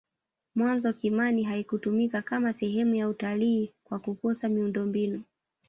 mwanzo kimani haikutumika Kama sehemu ya utalii kwa kukosa miundombinu